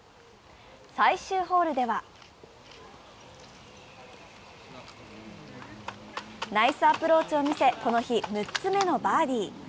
最終ホールではナイスアプローチを見せ、この日、６つ目のバーディー。